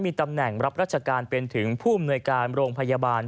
มีตำแหน่งรับราชการเป็นถึงผู้อำนวยการโรงพยาบาล